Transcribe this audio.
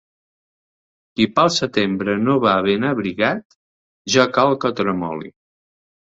Qui pel setembre no va ben abrigat, ja cal que tremoli.